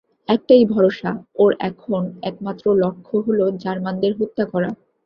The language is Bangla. একটাই ভরসা, ওর এখন একমাত্র লক্ষ্য হল জার্মানদের হত্যা করা।